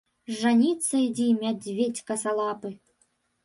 Жаніцца ідзі, мядзведзь касалапы.